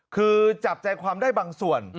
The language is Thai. คือจับใจความได้บางส่วน